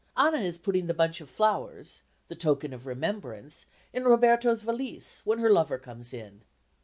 Anna is putting the bunch of flowers, the token of remembrance, in Roberto's valise when her lover comes in.